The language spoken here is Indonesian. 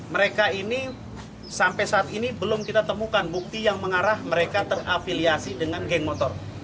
mereka ini sampai saat ini belum kita temukan bukti yang mengarah mereka terafiliasi dengan geng motor